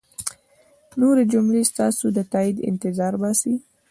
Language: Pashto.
نورې جملې ستاسو د تایید انتظار باسي.